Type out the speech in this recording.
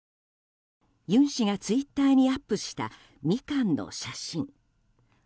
尹氏がツイッターにアップしたミカンの写真。